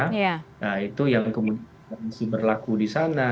nah itu yang kemudian masih berlaku di sana